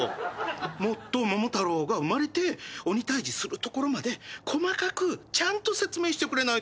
もっと桃太郎が生まれて鬼退治するところまで細かくちゃんと説明してくれないと。